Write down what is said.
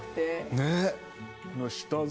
ねっ。